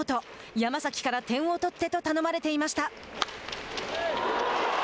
山崎から点を取ってと頼まれていました。